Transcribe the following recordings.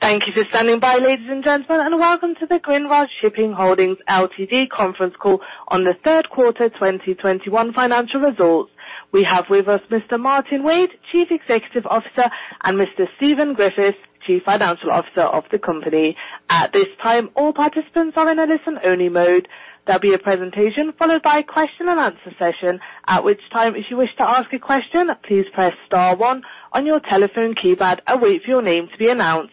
Thank you for standing by, ladies and gentlemen, and welcome to the Grindrod Shipping Holdings Ltd conference call on the third quarter 2021 financial results. We have with us Mr. Martyn Wade, Chief Executive Officer, and Mr. Stephen Griffiths, Chief Financial Officer of the company. At this time, all participants are in a listen-only mode. There'll be a presentation followed by question and answer session. At which time, if you wish to ask a question, please press star one on your telephone keypad and wait for your name to be announced.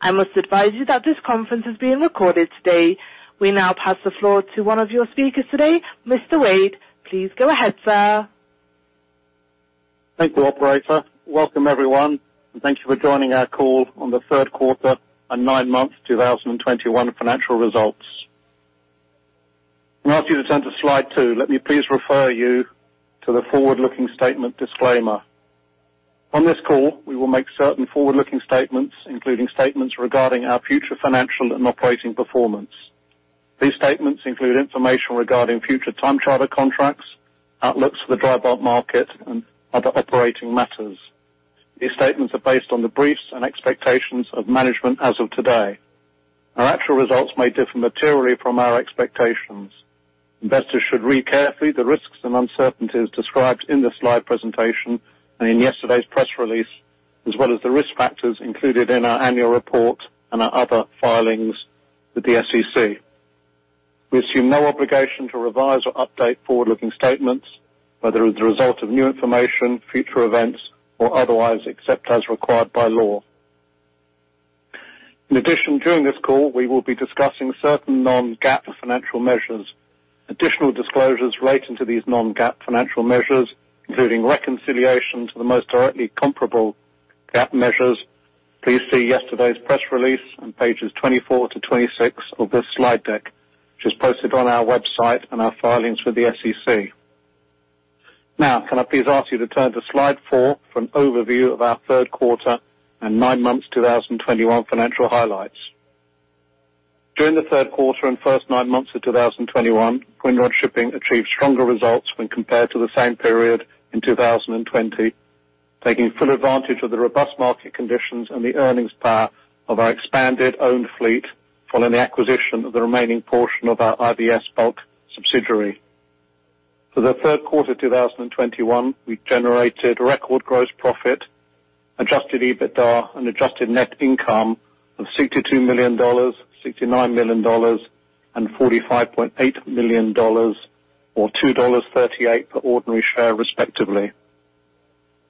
I must advise you that this conference is being recorded today. We now pass the floor to one of your speakers today. Mr. Wade, please go ahead, sir. Thank you, operator. Welcome, everyone, and thank you for joining our call on the third quarter and nine months 2021 financial results. Can I ask you to turn to slide 2? Let me please refer you to the forward-looking statement disclaimer. On this call, we will make certain forward-looking statements, including statements regarding our future financial and operating performance. These statements include information regarding future time charter contracts, outlooks for the dry bulk market, and other operating matters. These statements are based on the beliefs and expectations of management as of today. Our actual results may differ materially from our expectations. Investors should read carefully the risks and uncertainties described in the slide presentation and in yesterday's press release, as well as the risk factors included in our annual report and our other filings with the SEC. We assume no obligation to revise or update forward-looking statements, whether as a result of new information, future events, or otherwise, except as required by law. In addition, during this call, we will be discussing certain non-GAAP financial measures. Additional disclosures relating to these non-GAAP financial measures, including reconciliation to the most directly comparable GAAP measures. Please see yesterday's press release on pages 24-26 of this slide deck, which is posted on our website and our filings with the SEC. Now, can I please ask you to turn to slide four for an overview of our third quarter and nine months 2021 financial highlights. During the third quarter and first nine months of 2021, Grindrod Shipping achieved stronger results when compared to the same period in 2020, taking full advantage of the robust market conditions and the earnings power of our expanded owned fleet, following the acquisition of the remaining portion of our IVS Bulk subsidiary. For the third quarter 2021, we generated record gross profit, adjusted EBITDA and adjusted net income of $62 million, $69 million and $45.8 million or $2.38 per ordinary share, respectively.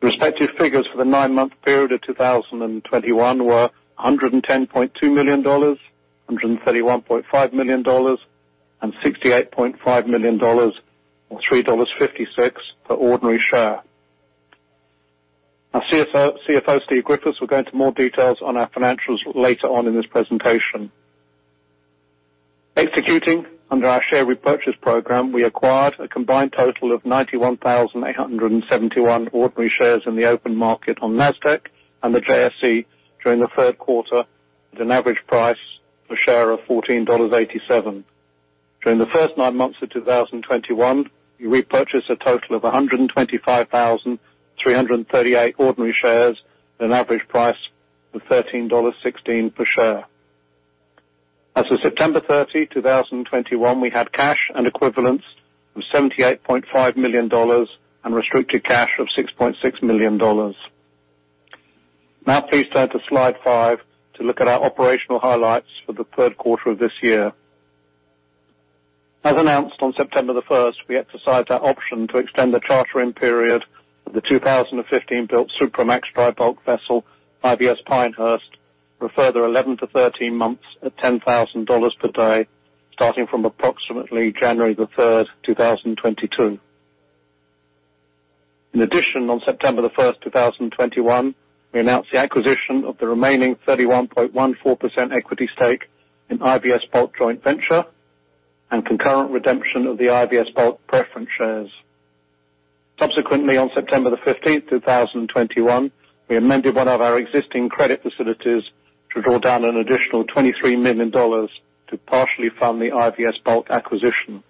The respective figures for the nine-month period of 2021 were $110.2 million, $131.5 million and $68.5 million, or $3.56 per ordinary share. Our CFO, Steve Griffiths, will go into more details on our financials later on in this presentation. Executing under our share repurchase program, we acquired a combined total of 91,871 ordinary shares in the open market on Nasdaq and the JSE during the third quarter, at an average price per share of $14.87. During the first nine months of 2021, we repurchased a total of 125,338 ordinary shares at an average price of $13.16 per share. As of September 30, 2021, we had cash and equivalents of $78.5 million and restricted cash of $6.6 million. Now please turn to slide five to look at our operational highlights for the third quarter of this year. As announced on September 1, we exercised our option to extend the charter-in period of the 2015-built Supramax dry bulk vessel, IVS Pinehurst, for a further 11-13 months at $10,000 per day, starting from approximately January 3, 2022. In addition, on September 1, 2021, we announced the acquisition of the remaining 31.14% equity stake in IVS Bulk joint venture and concurrent redemption of the IVS Bulk preference shares. Subsequently, on September 15, 2021, we amended one of our existing credit facilities to draw down an additional $23 million to partially fund the IVS Bulk acquisition.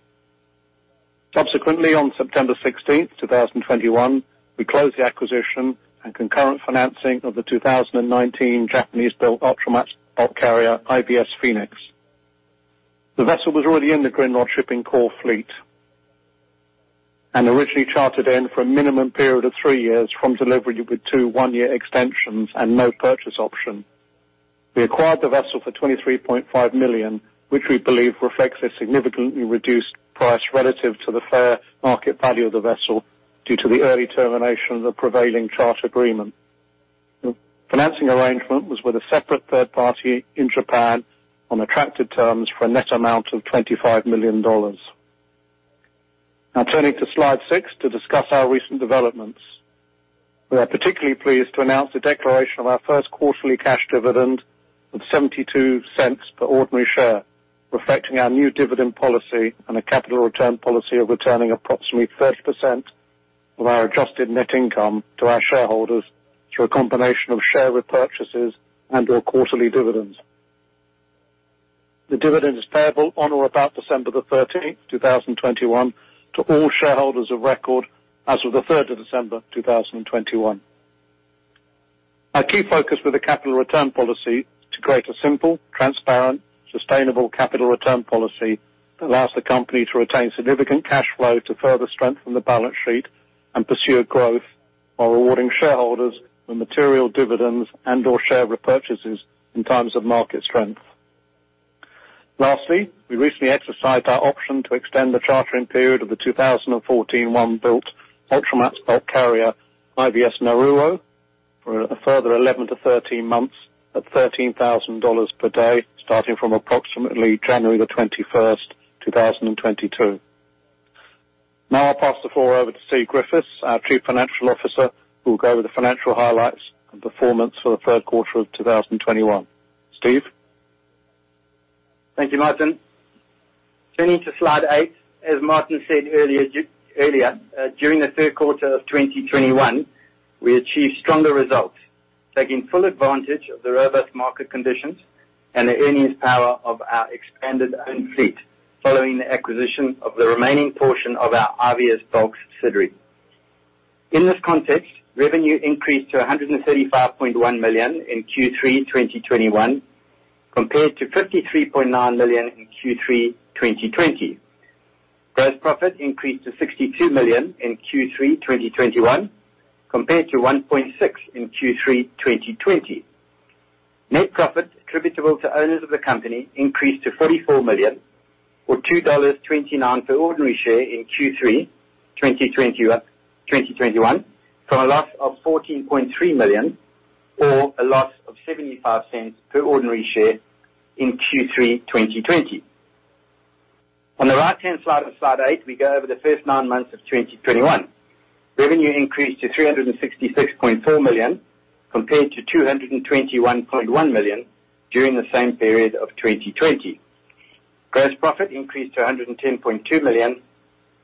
Subsequently, on September 16, 2021, we closed the acquisition and concurrent financing of the 2019 Japanese-built Ultramax bulk carrier, IVS Phoenix. The vessel was already in the Grindrod Shipping core fleet and originally chartered in for a minimum period of three years from delivery with two one-year extensions and no purchase option. We acquired the vessel for $23.5 million, which we believe reflects a significantly reduced price relative to the fair market value of the vessel due to the early termination of the prevailing charter agreement. The financing arrangement was with a separate third party in Japan on attractive terms for a net amount of $25 million. Now turning to slide six to discuss our recent developments. We are particularly pleased to announce the declaration of our first quarterly cash dividend of $0.72 per ordinary share, reflecting our new dividend policy and a capital return policy of returning approximately 30% of our adjusted net income to our shareholders through a combination of share repurchases and/or quarterly dividends. The dividend is payable on or about December 13, 2021 to all shareholders of record as of December 3, 2021. Our key focus for the capital return policy to create a simple, transparent, sustainable capital return policy that allows the company to retain significant cash flow to further strengthen the balance sheet and pursue growth while rewarding shareholders with material dividends and or share repurchases in times of market strength. Lastly, we recently exercised our option to extend the chartering period of the 2014-built Ultramax bulk carrier, IVS Naruo, for a further 11-13 months at $13,000 per day, starting from approximately January 21, 2022. Now I'll pass the floor over to Steve Griffiths, our Chief Financial Officer, who will go over the financial highlights and performance for the third quarter of 2021. Steve. Thank you, Martyn. Turning to slide eight. As Martyn said earlier, during the third quarter of 2021, we achieved stronger results, taking full advantage of the robust market conditions and the earnings power of our expanded owned fleet following the acquisition of the remaining portion of our IVS Bulk subsidiary. In this context, revenue increased to $135.1 million in Q3 2021 compared to $53.9 million in Q3 2020. Gross profit increased to $62 million in Q3 2021 compared to $1.6 million in Q3 2020. Net profit attributable to owners of the company increased to $44 million or $2.29 per ordinary share in Q3 2021, from a loss of $14.3 million or a loss of $0.75 per ordinary share in Q3 2020. On the right-hand side of slide eight, we go over the first nine months of 2021. Revenue increased to $366.4 million compared to $221.1 million during the same period of 2020. Gross profit increased to $110.2 million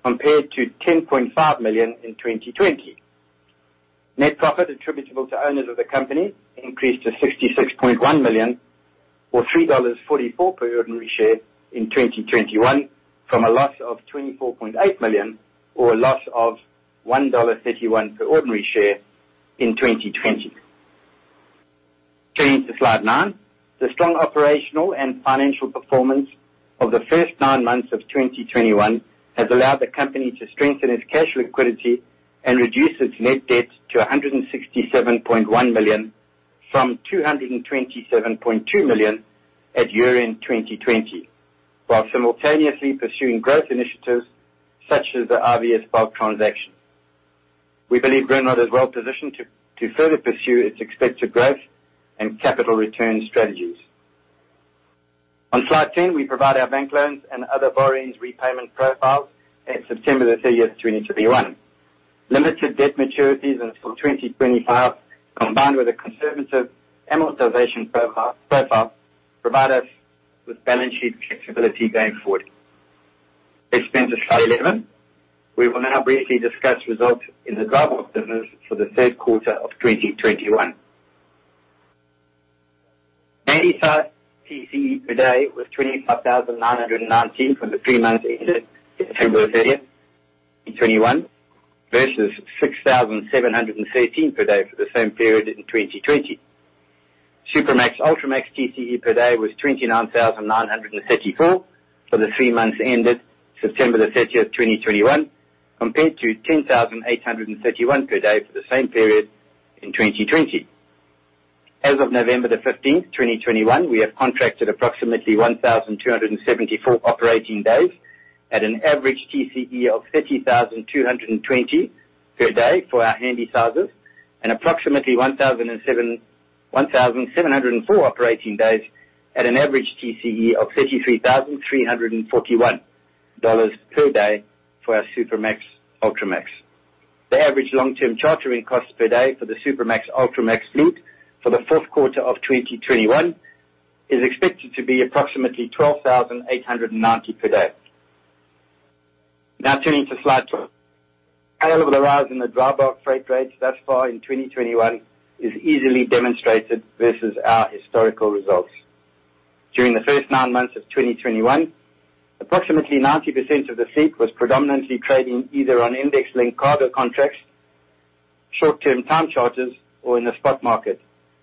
compared to $10.5 million in 2020. Net profit attributable to owners of the company increased to $66.1 million or $3.44 per ordinary share in 2021 from a loss of $24.8 million or a loss of $1.51 per ordinary share in 2020. Turning to slide nine. The strong operational and financial performance of the first 9 months of 2021 has allowed the company to strengthen its cash liquidity and reduce its net debt to $167.1 million from $227.2 million at year-end 2020, while simultaneously pursuing growth initiatives such as the IVS Bulk transaction. We believe Grindrod is well positioned to further pursue its expected growth and capital return strategies. On slide ten, we provide our bank loans and other borrowings repayment profiles at September 30, 2021. Limited debt maturities until 2025, combined with a conservative amortization profile provide us with balance sheet flexibility going forward. Let's turn to slide eleven. We will now briefly discuss results in the dry bulk business for the third quarter of 2021. Handysize TCE per day was $25,919 for the three months ended September 30, 2021 versus $6,713 per day for the same period in 2020. Supramax, Ultramax TCE per day was $29,934 for the three months ended September 30, 2021 compared to $10,831 per day for the same period in 2020. As of November 15, 2021, we have contracted approximately 1,274 operating days at an average TCE of $30,220 per day for our Handysizes and approximately 1,704 operating days at an average TCE of $33,341 per day for our Supramax, Ultramax. The average long-term chartering costs per day for the Supramax, Ultramax fleet for the fourth quarter of 2021 is expected to be approximately $12,890 per day. Now turning to slide 12. The rise in the dry bulk freight rates thus far in 2021 is easily demonstrated versus our historical results. During the first nine months of 2021, approximately 90% of the fleet was predominantly trading either on index linked cargo contracts, short-term time charters, or in the spot market,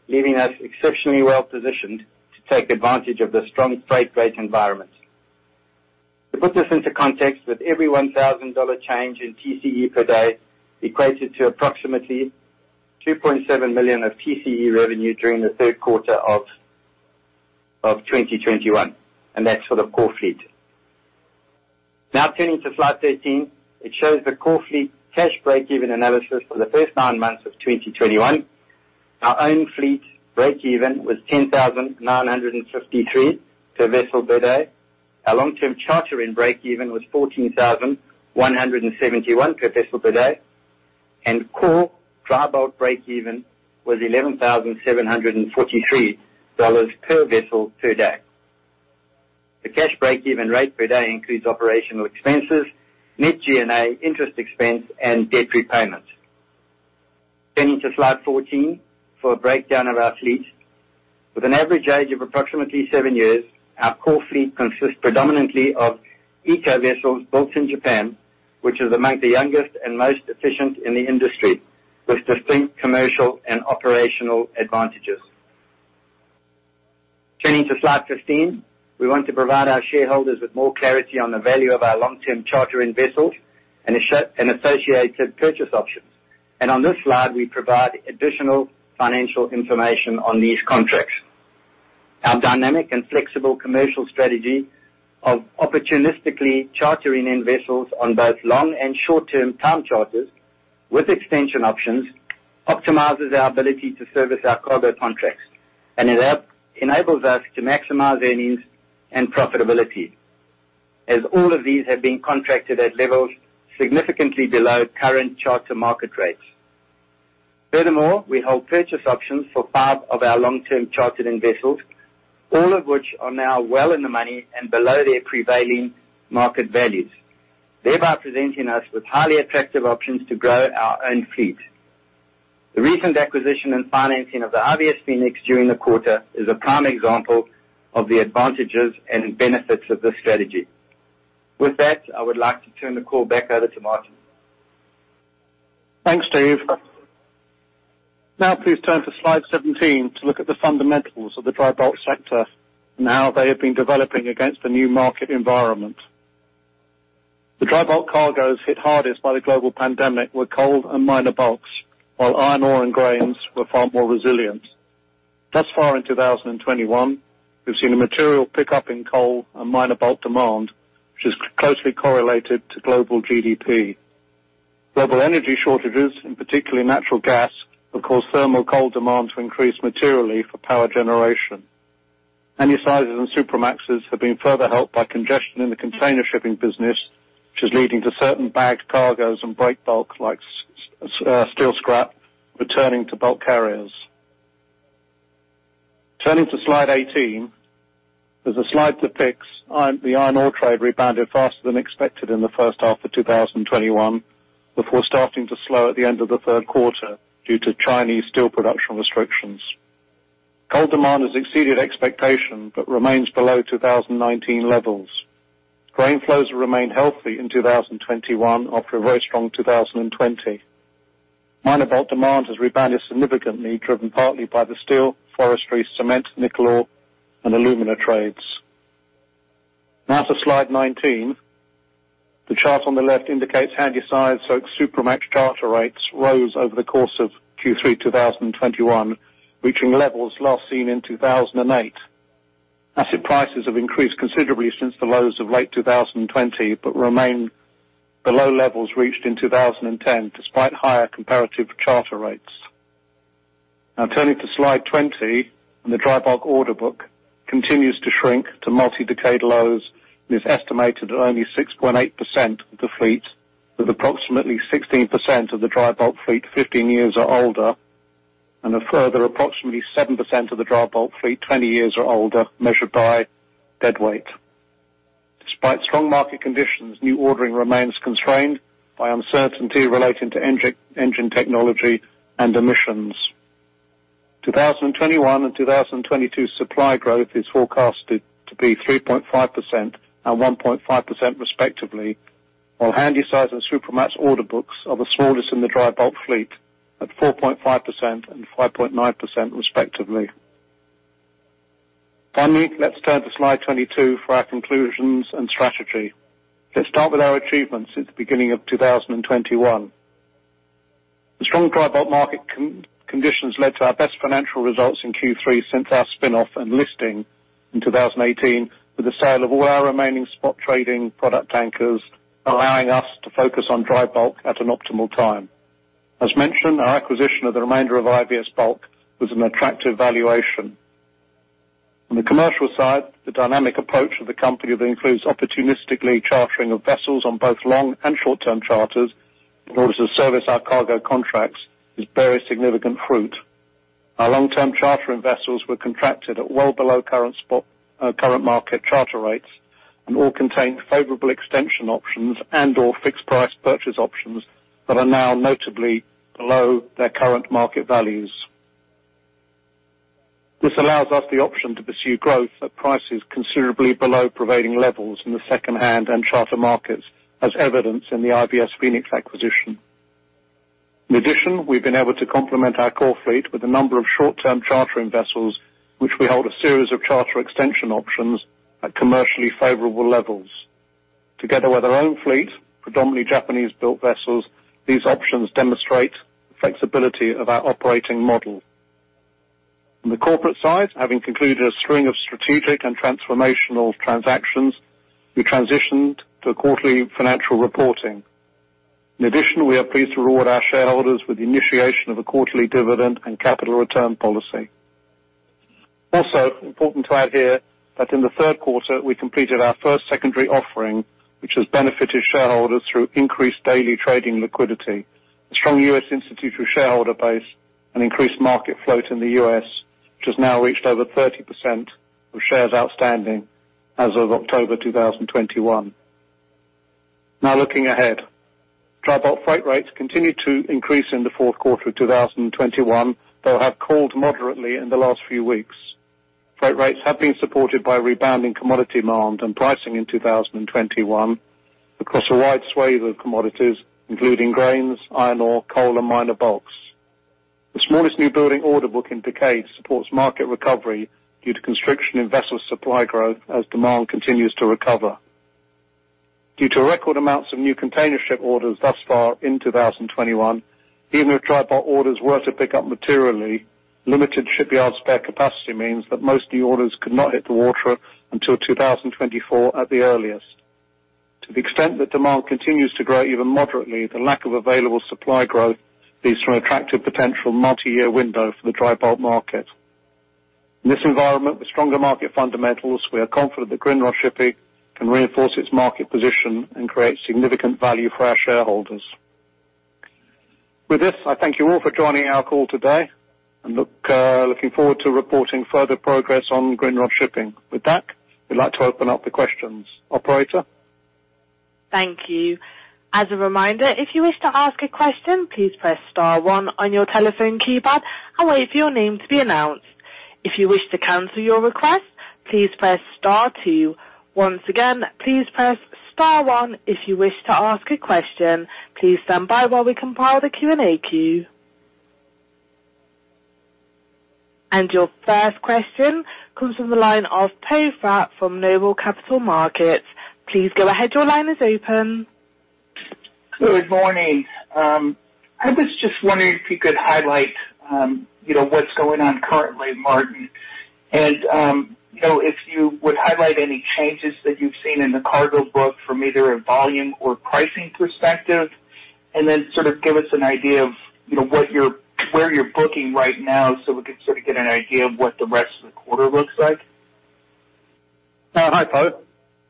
leaving us exceptionally well positioned to take advantage of the strong freight rate environment. To put this into context, with every $1,000 change in TCE per day equated to approximately $2.7 million of TCE revenue during the third quarter of twenty twenty-one. That's for the core fleet. Now turning to slide thirteen. It shows the core fleet cash breakeven analysis for the first nine months of 2021. Our own fleet breakeven was $10,953 per vessel per day. Our long-term charter in breakeven was $14,171 per vessel per day. Core dry bulk breakeven was $11,743 per vessel per day. The cash breakeven rate per day includes operational expenses, net G&A interest expense, and debt repayments. To slide fourteen for a breakdown of our fleet. With an average age of approximately seven years, our core fleet consists predominantly of eco vessels built in Japan, which is among the youngest and most efficient in the industry, with distinct commercial and operational advantages. Turning to slide fifteen, we want to provide our shareholders with more clarity on the value of our long-term chartering vessels and associated purchase options. On this slide, we provide additional financial information on these contracts. Our dynamic and flexible commercial strategy of opportunistically chartering in vessels on both long and short-term time charters with extension options optimizes our ability to service our cargo contracts. It enables us to maximize earnings and profitability as all of these have been contracted at levels significantly below current charter market rates. Furthermore, we hold purchase options for five of our long-term chartered-in vessels, all of which are now well in the money and below their prevailing market values, thereby presenting us with highly attractive options to grow our own fleet. The recent acquisition and financing of the IVS Phoenix during the quarter is a prime example of the advantages and benefits of this strategy. With that, I would like to turn the call back over to Martyn. Thanks, Steve. Now please turn to slide seventeen to look at the fundamentals of the dry bulk sector and how they have been developing against the new market environment. The dry bulk cargoes hit hardest by the global pandemic were coal and minor bulks, while iron ore and grains were far more resilient. Thus far in 2021, we've seen a material pickup in coal and minor bulk demand, which is closely correlated to global GDP. Global energy shortages, in particular natural gas, have caused thermal coal demand to increase materially for power generation. Handysizes and Supramaxes have been further helped by congestion in the container shipping business, which is leading to certain bagged cargoes and break bulk like steel scrap returning to bulk carriers. Turning to slide eighteen, there's a slide that depicts the iron ore trade rebounded faster than expected in the first half of 2021, before starting to slow at the end of the third quarter due to Chinese steel production restrictions. Coal demand has exceeded expectations but remains below 2019 levels. Grain flows remain healthy in 2021 after a very strong 2020. Minor bulk demand has rebounded significantly, driven partly by the steel, forestry, cement, nickel ore, and alumina trades. Now to slide 19. The chart on the left indicates Handysize, Supramax charter rates rose over the course of Q3 2021, reaching levels last seen in 2008. Asset prices have increased considerably since the lows of late 2020, but remain below levels reached in 2010, despite higher comparative charter rates. Now turning to slide 20, the drybulk order book continues to shrink to multi-decade lows and is estimated at only 6.8% of the fleet, with approximately 16% of the drybulk fleet 15 years or older, and a further approximately 7% of the drybulk fleet 20 years or older, measured by deadweight. Despite strong market conditions, new ordering remains constrained by uncertainty relating to engine technology and emissions. 2021 and 2022 supply growth is forecasted to be 3.5% and 1.5% respectively, while Handysize and Supramax order books are the smallest in the dry bulk fleet at 4.5% and 5.9% respectively. Finally, let's turn to slide 22 for our conclusions and strategy. Let's start with our achievements since the beginning of 2021. The strong dry bulk market conditions led to our best financial results in Q3 since our spinoff and listing in 2018, with the sale of all our remaining spot trading product anchors, allowing us to focus on dry bulk at an optimal time. As mentioned, our acquisition of the remainder of IVS Bulk was an attractive valuation. On the commercial side, the dynamic approach of the company that includes opportunistically chartering of vessels on both long and short-term charters in order to service our cargo contracts has borne a significant fruit. Our long-term chartering vessels were contracted at well below current spot, current market charter rates and all contain favorable extension options and/or fixed price purchase options that are now notably below their current market values. This allows us the option to pursue growth at prices considerably below prevailing levels in the second-hand and charter markets, as evidenced in the IVS Phoenix acquisition. In addition, we've been able to complement our core fleet with a number of short-term chartering vessels, which we hold a series of charter extension options at commercially favorable levels. Together with our own fleet, predominantly Japanese-built vessels, these options demonstrate the flexibility of our operating model. On the corporate side, having concluded a string of strategic and transformational transactions, we transitioned to quarterly financial reporting. In addition, we are pleased to reward our shareholders with the initiation of a quarterly dividend and capital return policy. Important to add here that in the third quarter, we completed our first secondary offering, which has benefited shareholders through increased daily trading liquidity, a strong U.S. institutional shareholder base, and increased market float in the U.S., which has now reached over 30% of shares outstanding as of October 2021. Now looking ahead. Dry bulk freight rates continued to increase in the fourth quarter of 2021, though have cooled moderately in the last few weeks. Freight rates have been supported by a rebound in commodity demand and pricing in 2021 across a wide swathe of commodities, including grains, iron ore, coal, and minor bulks. The smallest newbuilding orderbook indicates support for market recovery due to constriction in vessel supply growth as demand continues to recover. Due to record amounts of new container ship orders thus far in 2021, even if dry bulk orders were to pick up materially, limited shipyard spare capacity means that most new orders could not hit the water until 2024 at the earliest. To the extent that demand continues to grow even moderately, the lack of available supply growth leads to an attractive potential multi-year window for the dry bulk market. In this environment with stronger market fundamentals, we are confident that Grindrod Shipping can reinforce its market position and create significant value for our shareholders. With this, I thank you all for joining our call today and looking forward to reporting further progress on Grindrod Shipping. With that, we'd like to open up the questions. Operator? Your first question comes from the line of Poe Fratt from Noble Capital Markets. Please go ahead. Your line is open. Good morning. I was just wondering if you could highlight, you know, what's going on currently, Martin. You know, if you would highlight any changes that you've seen in the cargo book from either a volume or pricing perspective, and then sort of give us an idea of, you know, what you're booking right now, so we can sort of get an idea of what the rest of the quarter looks like. Hi, Poe.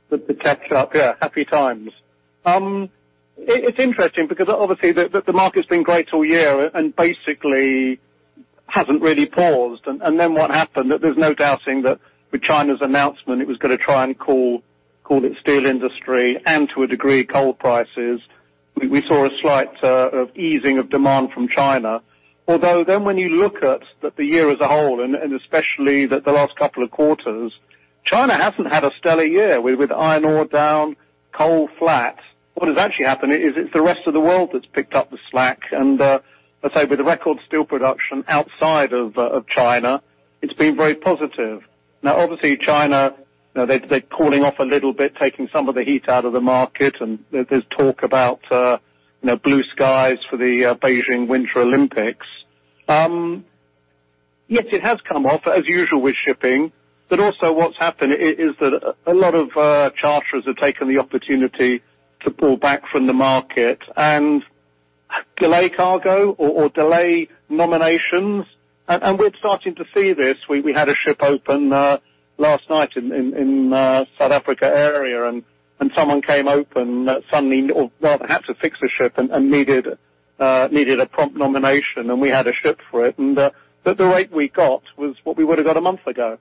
With the tech up here, happy times. It's interesting because obviously the market's been great all year and basically hasn't really paused. What happened is that there's no doubting that with China's announcement, it was gonna try and cool its steel industry and to a degree, coal prices. We saw a slight easing of demand from China. Although, then when you look at the year as a whole and especially the last couple of quarters, China hasn't had a stellar year with iron ore down, coal flat. What has actually happened is it's the rest of the world that's picked up the slack and let's say with the record steel production outside of China, it's been very positive. Now, obviously, China, you know, they're cooling off a little bit, taking some of the heat out of the market, and there's talk about, you know, blue skies for the Beijing Winter Olympics. Yes, it has come off as usual with shipping, but also what's happened is that a lot of charters have taken the opportunity to pull back from the market and delay cargo or delay nominations. We're starting to see this. We had a ship open last night in South Africa area and someone came open suddenly or well, perhaps to fix a ship and needed a prompt nomination, and we had a ship for it. But the rate we got was what we would've got a month ago.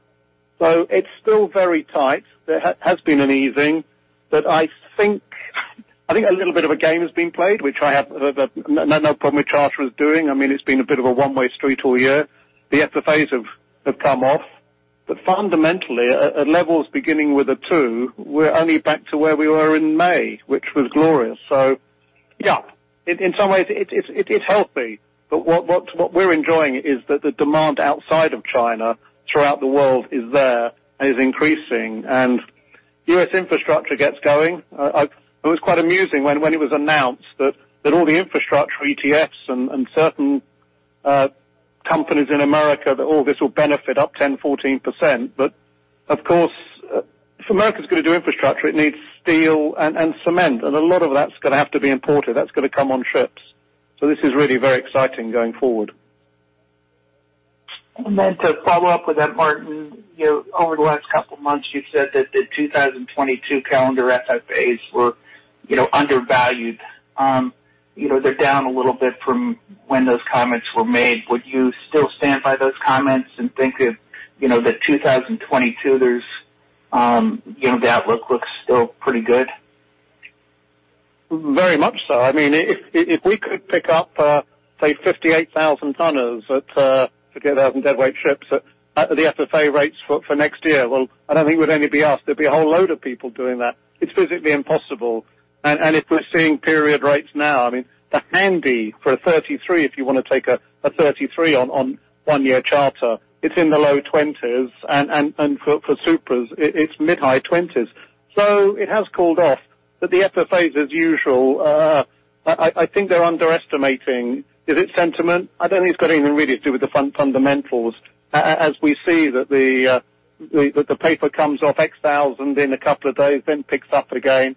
It's still very tight. There has been an easing, but I think a little bit of a game is being played, which I have no problem with charters doing. I mean, it's been a bit of a one-way street all year. The FFAs have come off. But fundamentally, a level is beginning with a two, we're only back to where we were in May, which was glorious. So yeah, in some ways it's healthy. But what we're enjoying is that the demand outside of China throughout the world is there and is increasing. U.S. infrastructure gets going. It was quite amusing when it was announced that all the infrastructure, ETFs and certain companies in America, that all this will benefit up 10%-14%. Of course, if America's gonna do infrastructure, it needs steel and cement. A lot of that's gonna have to be imported. That's gonna come on ships. This is really very exciting going forward. To follow up with that, Martin, you know, over the last couple of months, you've said that the 2022 calendar FFAs were, you know, undervalued. You know, they're down a little bit from when those comments were made. Would you still stand by those comments and think that, you know, that 2022 there's, you know, the outlook looks still pretty good? Very much so. I mean, if we could pick up, say 58,000 tonners at 50,000 deadweight ships at the FFA rates for next year. Well, I don't think we'd only be us. There'd be a whole load of people doing that. It's physically impossible. If we're seeing period rates now, I mean, they're handy for a 33, if you wanna take a 33 on one-year charter. It's in the low 20s. For Supras it's mid-high 20s. It has cooled off. The FFAs as usual, I think they're underestimating. Is it sentiment? I don't think it's got anything really to do with the fundamentals. As we see that the paper comes off 10,000 in a couple of days, then picks up again.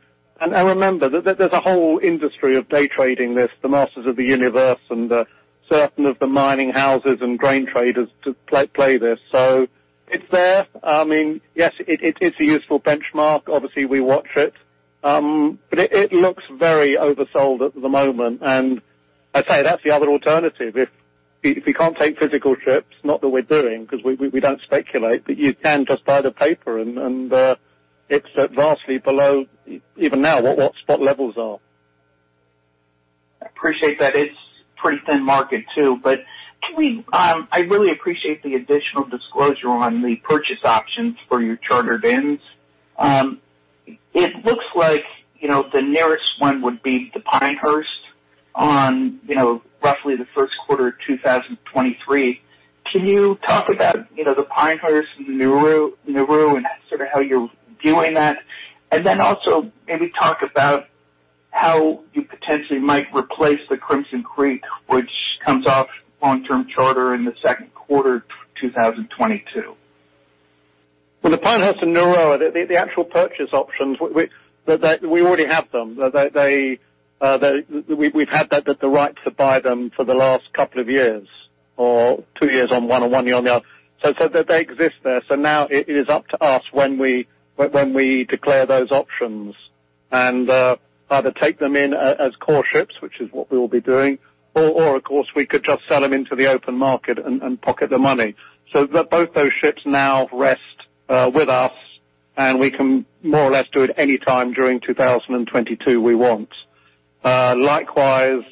Remember that there's a whole industry of day trading this, the masters of the universe and certain of the mining houses and grain traders to play this. It's there. I mean, yes, it is a useful benchmark. Obviously, we watch it. But it looks very oversold at the moment, and I'd say that's the other alternative. If we can't take physical trips, not that we're doing because we don't speculate, but you can just buy the paper and it's at vastly below even now what spot levels are. I appreciate that. It's pretty thin market too. I really appreciate the additional disclosure on the purchase options for your chartered in. It looks like, you know, the nearest one would be the Pinehurst on, you know, roughly the first quarter of 2023. Can you talk about, you know, the Pinehurst, Naruo, and sort of how you're viewing that? Also maybe talk about how you potentially might replace the Crimson Creek, which comes off long-term charter in the second quarter 2022. Well, the Pinehurst and Naruo, the actual purchase options that we already have. They've had the right to buy them for the last couple of years, or two years on one and one year on the other. They exist there. Now it is up to us when we declare those options and either take them in as core ships, which is what we will be doing, or of course, we could just sell them into the open market and pocket the money. Both those ships now rest with us, and we can more or less do it any time during 2022 we want. Likewise,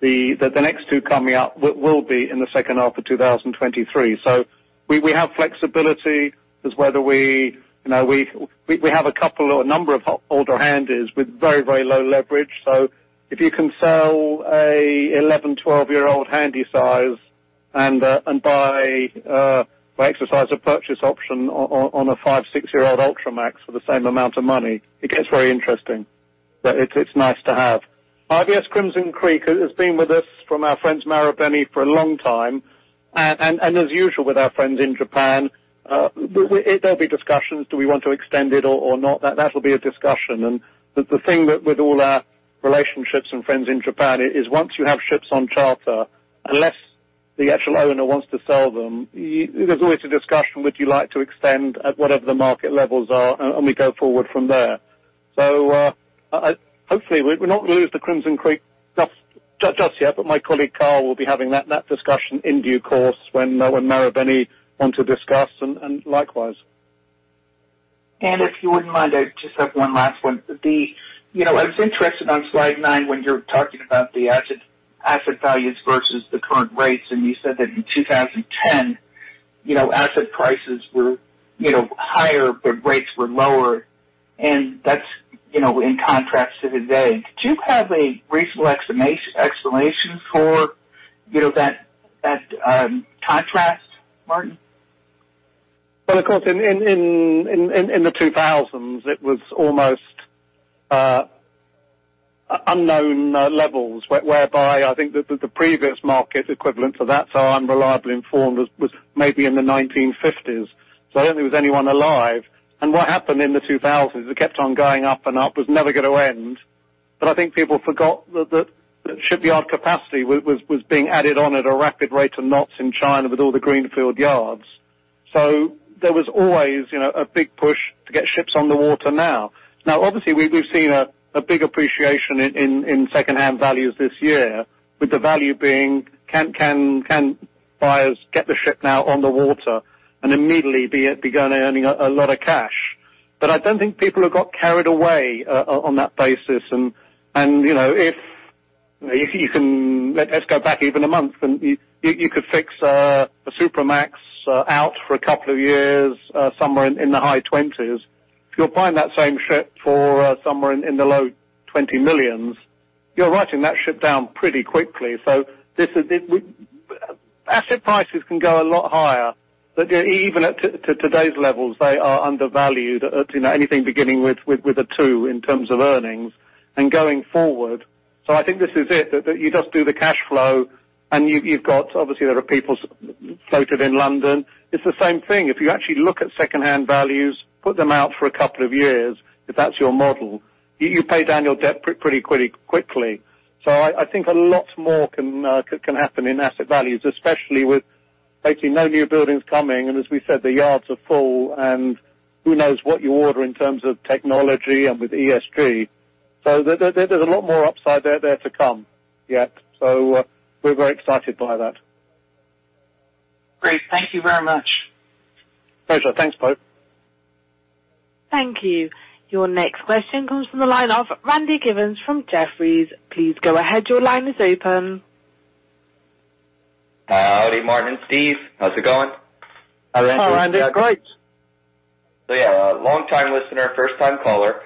the next two coming up will be in the second half of 2023. We have flexibility as to whether we, you know, have a couple or a number of older Handysize with very low leverage. If you can sell an 11-12-year-old Handysize and buy or exercise a purchase option on a 5-6-year-old Ultramax for the same amount of money, it gets very interesting. It's nice to have. IVS Crimson Creek has been with us from our friends Marubeni for a long time. As usual, with our friends in Japan, there'll be discussions. Do we want to extend it or not? That'll be a discussion. The thing is that with all our relationships and friends in Japan, once you have ships on charter, unless the actual owner wants to sell them, there's always a discussion, would you like to extend at whatever the market levels are, and we go forward from there. Hopefully we not lose the Crimson Creek just yet, but my colleague, Carl, will be having that discussion in due course when Marubeni want to discuss and likewise. If you wouldn't mind, I just have one last one. You know, I was interested on slide 9 when you're talking about the asset values versus the current rates, and you said that in 2010, you know, asset prices were, you know, higher, but rates were lower. That's, you know, in contrast to today. Do you have a reasonable explanation for, you know, that contrast, Martyn? Well, of course, in the 2000s, it was almost unknown levels whereby I think the previous market equivalent for that, so I'm reliably informed, was maybe in the 1950s. I don't think there was anyone alive. What happened in the 2000s, it kept on going up and up. It was never gonna end. I think people forgot that shipyard capacity was being added on at a rapid rate of knots in China with all the greenfield yards. There was always, you know, a big push to get ships on the water now. Now, obviously, we've seen a big appreciation in secondhand values this year with the value being, can buyers get the ship now on the water and immediately be going, earning a lot of cash. I don't think people have got carried away on that basis. You know, let's go back even a month and you could fix a Supramax out for a couple of years somewhere in the high $20s. If you're buying that same ship for somewhere in the low $20 million, you're writing that ship down pretty quickly. Asset prices can go a lot higher. You know, even at today's levels, they are undervalued at, you know, anything beginning with a two in terms of earnings and going forward. I think this is it. That you just do the cash flow, and you've got. Obviously, there are peers floated in London. It's the same thing. If you actually look at secondhand values, put them out for a couple of years, if that's your model, you pay down your debt pretty quickly. I think a lot more can happen in asset values, especially with basically no new buildings coming. As we said, the yards are full, and who knows what you order in terms of technology and with ESG. There's a lot more upside there to come yet. We're very excited by that. Great. Thank you very much. Pleasure. Thanks, Poe. Thank you. Your next question comes from the line of Randy Giveans from Jefferies. Please go ahead. Your line is open. Hi. Howdy, Martyn and Steve. How's it going? Hi, Randy. Hi, Randy. Great. Yeah, longtime listener, first time caller.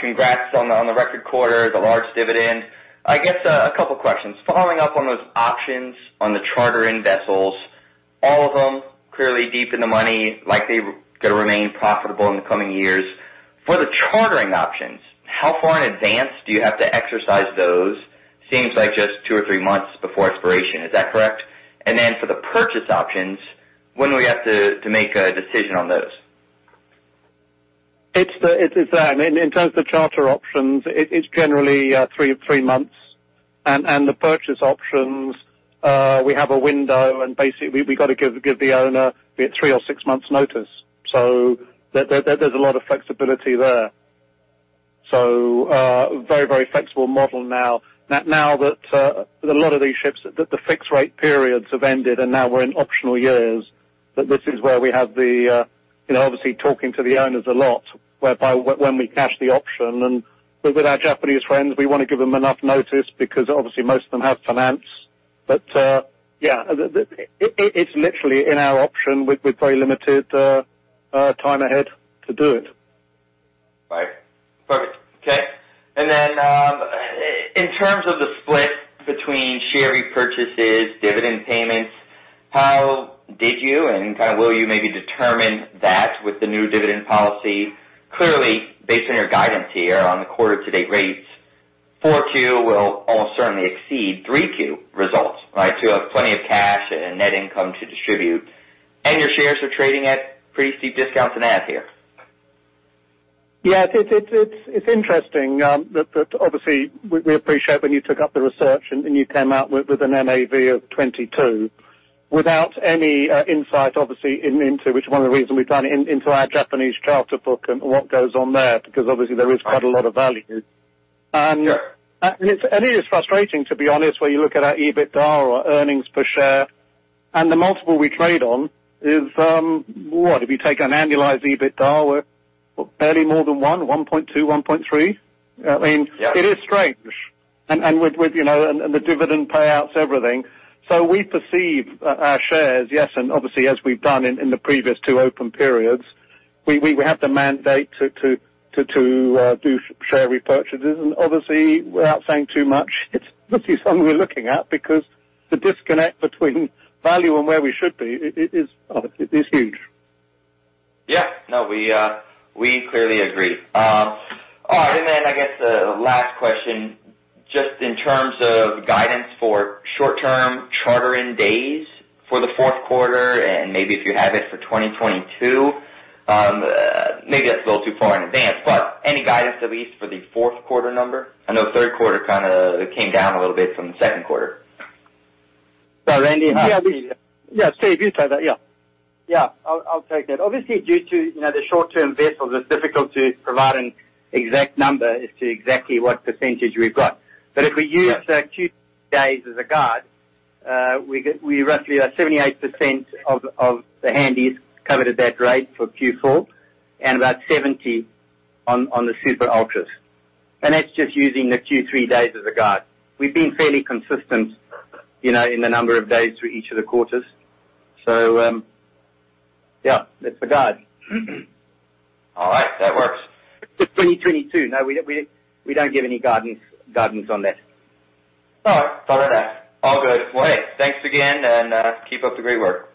Congrats on the record quarter, the large dividend. I guess a couple questions. Following up on those options on the charter-in vessels, all of them clearly deep in the money, likely gonna remain profitable in the coming years. For the chartering options, how far in advance do you have to exercise those? Seems like just two or three months before expiration. Is that correct? For the purchase options, when do we have to make a decision on those? It's in terms of charter options, it's generally three months. The purchase options, we have a window and basically we gotta give the owner be it three or six months notice. There's a lot of flexibility there. Very flexible model now. Now that a lot of these ships, the fixed rate periods have ended and now we're in optional years, this is where we have, you know, obviously talking to the owners a lot whereby when we exercise the option. With our Japanese friends, we wanna give them enough notice because obviously most of them have financing. Yeah, it's literally in our option with very limited time ahead to do it. Right. Perfect. Okay. Then, in terms of the split between share repurchases, dividend payments, how did you and kind of will you maybe determine that with the new dividend policy? Clearly, based on your guidance here on the quarter-to-date rates, 4Q will almost certainly exceed 3Q results, right? You'll have plenty of cash and net income to distribute, and your shares are trading at pretty steep discounts to NAV here. Yeah. It's interesting that obviously we appreciate when you took up the research and you came out with an NAV of $22 without any insight obviously into which one of the reasons we've done into our Japanese charter book and what goes on there, because obviously there is quite a lot of value. Sure. It is frustrating to be honest, where you look at our EBITDA or earnings per share, and the multiple we trade on is, what? If you take an annualized EBITDA, we're barely more than 1.2, 1.3. I mean. Yeah. It is strange. With you know, and the dividend payouts, everything. We perceive our shares, yes, and obviously as we've done in the previous two open periods, we have the mandate to do share repurchases. Obviously, without saying too much, it's obviously something we're looking at because the disconnect between value and where we should be, it is obviously huge. Yeah. No, we clearly agree. All right. Then I guess the last question, just in terms of guidance for short-term charter in days for the fourth quarter, and maybe if you have it for 2022, maybe that's a little too far in advance, but any guidance at least for the fourth quarter number? I know third quarter kinda came down a little bit from the second quarter. Sorry, Randy. Yeah. Yeah, Steve, you take that. Yeah. Yeah, I'll take that. Obviously, due to, you know, the short-term vessels, it's difficult to provide an exact number as to exactly what percentage we've got. If we use- Yeah. Using Q3 days as a guide, we roughly are 78% of the Handysize covered at that rate for Q4 and about 70% on the Supramax and Ultramax. That's just using the Q3 days as a guide. We've been fairly consistent, you know, in the number of days through each of the quarters. Yeah, that's the guide. All right. That works. For 2022. No, we don't give any guidance on that. All right. Fair enough. All good. Well, hey, thanks again, and keep up the great work.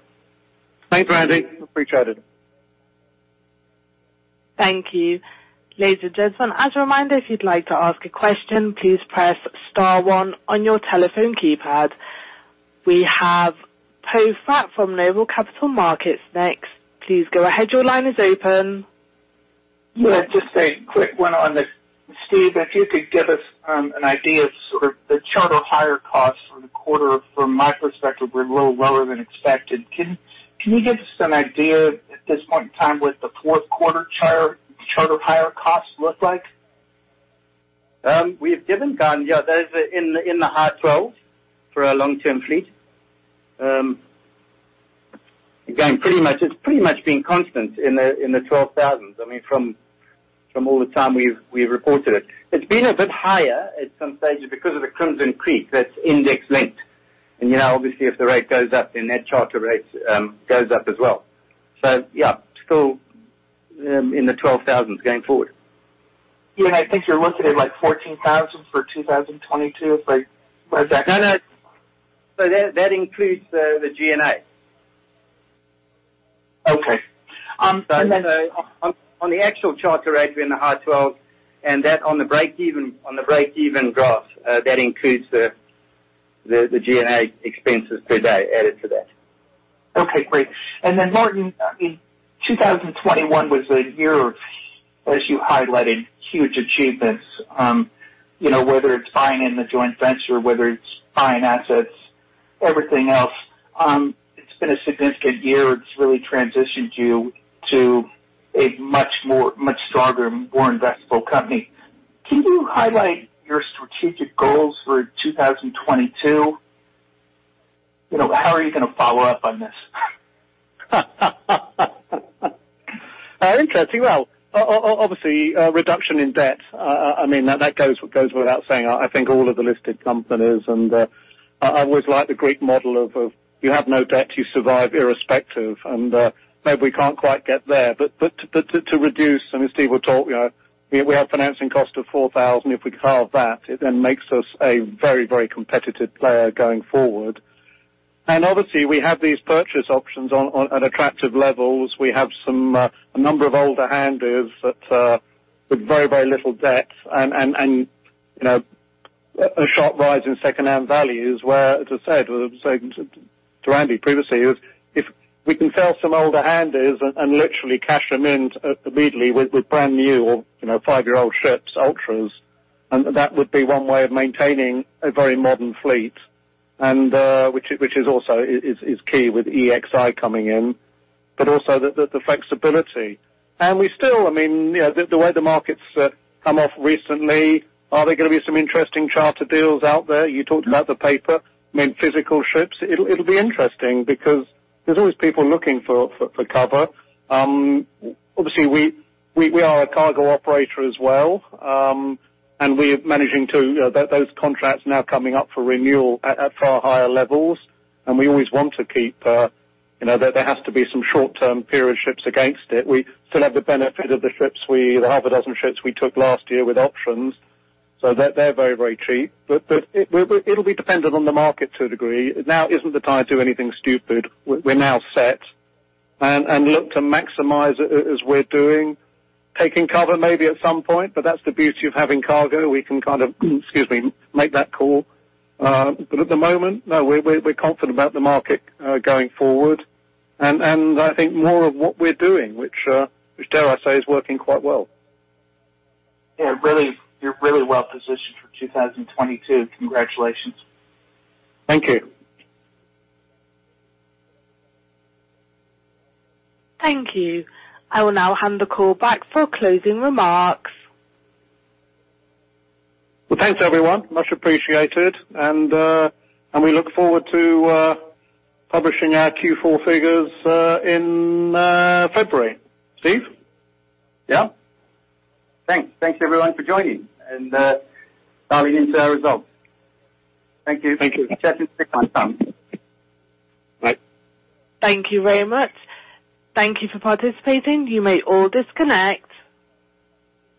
Thanks, Randy. Appreciate it. Thank you. Ladies and gentlemen, as a reminder, if you'd like to ask a question, please press star one on your telephone keypad. We have Poe Fratt from Noble Capital Markets next. Please go ahead. Your line is open. Yeah, just a quick one on this, Steve, if you could give us an idea of sort of the charter hire costs for the quarter. From my perspective, we're a little lower than expected. Can you give us an idea at this point in time what the fourth quarter charter hire costs look like? We have given guidance. Yeah, those are in the high $12,000s for our long-term fleet. Again, pretty much, it's been constant in the $12,000s. I mean, from all the time we've reported it. It's been a bit higher at some stages because of the Crimson Creek that's index-linked. You know, obviously if the rate goes up, then that charter rate goes up as well. Yeah, still in the $12,000s going forward. Yeah. I think you're looking at, like, $14,000 for 2022, if I No, no. That includes the G&A. Okay. On the actual charter rate, we're in the high 12s, and that on the breakeven gross, that includes the G&A expenses per day added to that. Okay, great. Martyn, I mean, 2021 was a year of, as you highlighted, huge achievements. You know, whether it's buying in the joint venture, whether it's buying assets, everything else, it's been a significant year. It's really transitioned you to a much more, much stronger, more investable company. Can you highlight your strategic goals for 2022? You know, how are you gonna follow up on this? Interesting. Well, obviously, reduction in debt. I mean, that goes without saying. I think all of the listed companies. I always like the Greek model of you have no debt, you survive irrespective. Maybe we can't quite get there, but to reduce. I mean, Steve would talk, you know, we have financing cost of $4,000. If we halve that, it then makes us a very, very competitive player going forward. Obviously we have these purchase options on at attractive levels. We have some a number of older Handysize that with very, very little debt and, you know, a sharp rise in secondhand values where, as I said, to Andy previously if we can sell some older Handysize and literally cash them in immediately with brand new or, you know, five-year-old ships, Ultramax, and that would be one way of maintaining a very modern fleet and which is also key with EEXI coming in, but also the flexibility. We still, I mean, you know, the way the market's come off recently, are there gonna be some interesting charter deals out there? You talked about the paper, I mean, physical ships. It'll be interesting because there's always people looking for cover. Obviously we are a cargo operator as well, and we're managing to you know that those contracts now coming up for renewal at far higher levels, and we always want to keep you know there has to be some short-term period ships against it. We still have the benefit of the half a dozen ships we took last year with options, so they're very cheap. But it'll be dependent on the market to a degree. Now isn't the time to do anything stupid. We're now set and look to maximize as we're doing, taking cover maybe at some point, but that's the beauty of having cargo. We can kind of, excuse me, make that call. At the moment, no, we're confident about the market, going forward and I think more of what we're doing, which dare I say is working quite well. Yeah. Really, you're really well positioned for 2022. Congratulations. Thank you. Thank you. I will now hand the call back for closing remarks. Well, thanks everyone, much appreciated. We look forward to publishing our Q4 figures in February. Steve. Yeah. Thanks. Thanks everyone for joining and dialing into our results. Thank you. Thank you. Bye. Thank you very much. Thank you for participating. You may all disconnect.